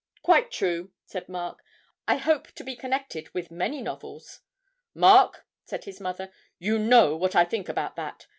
'Quite true,' said Mark; 'I hope to be connected with many novels.' 'Mark,' said his mother, 'you know what I think about that.